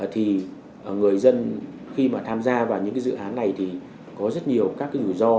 thì người dân khi mà tham gia vào những dự án này thì có rất nhiều các cái rủi ro